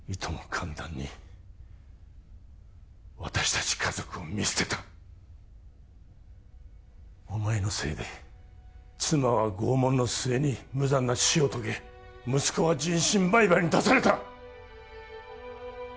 簡単に私たち家族を見捨てたお前のせいで妻は拷問の末に無残な死を遂げ息子は人身売買に出された！